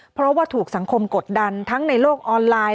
เพราะว่าถูกสังคมกดดันทั้งในโลกออนไลน์